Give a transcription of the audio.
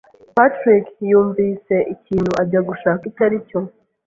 Patrick yumvise ikintu ajya gushaka icyo aricyo.